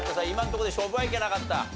今のとこで勝負はいけなかった？